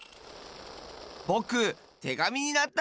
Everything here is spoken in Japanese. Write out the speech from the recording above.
ぼくてがみになったんだよ！